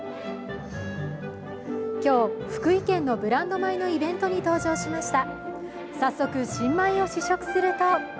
今日、福井県のブランド米のイベントに登場しました。